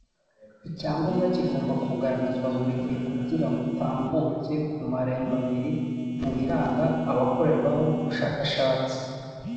icyangombwa kigomba kugaragazwa buri gihe kugira ngo utambuke kumarembobiri mubiranga abakoreweho ubushakashatsi